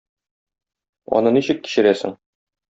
Аны ничек кичәрсең?